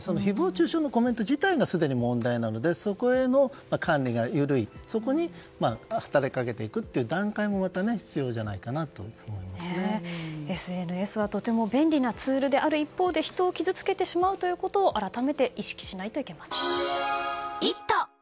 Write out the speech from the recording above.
誹謗中傷のコメント自体がすでに問題なのでそこへの管理が緩いそこに働きかけていくっていう段階もまたＳＮＳはとても便利なツールである一方で人を傷つけてしまうということを改めて意識しないといけません。